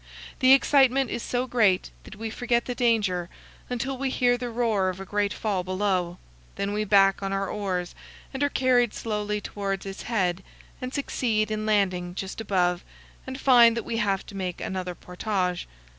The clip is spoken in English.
The excitement is so great that we forget the danger until we hear the roar of a great fall below; then we back on our oars and are carried slowly toward its head and succeed in landing just above and find that we have to make another portage.